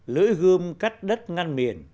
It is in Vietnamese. lưỡi gươm cắt đất ngăn miền